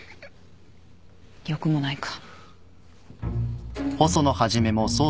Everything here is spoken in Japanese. よくもないか。